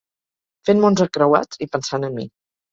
Fent mots encreuats i pensant en mi.